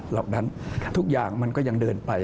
เหล่านั้นทุกอย่างมันก็ยังเดินไป